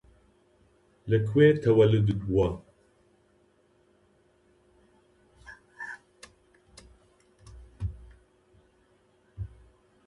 لە کوێ تەوەللودت بووە؟